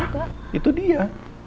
nah itu dia